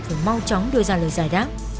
phải mau chóng đưa ra lời giải đáp